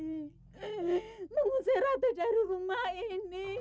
mengusir atau dari rumah ini